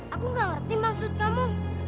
aku gak ngerti maksud kamu